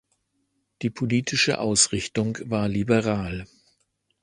Die politische Ausrichtung war liberal.